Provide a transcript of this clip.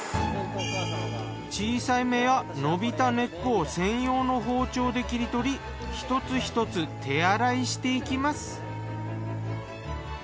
小さい芽や伸びた根っこを専用の包丁で切り取り１つ１つ手洗いしていきます。